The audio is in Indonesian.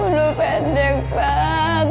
mulu pendek bang